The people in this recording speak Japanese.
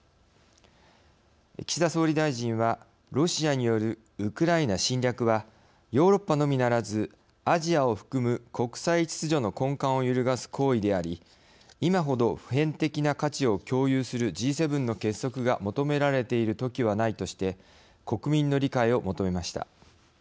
岸田総理大臣はロシアによるウクライナ侵略はヨーロッパのみならずアジアを含む国際秩序の根幹をゆるがす行為であり今ほど普遍的な価値を共有するＧ７の結束が求められている時はないとして国民の理解を求めました。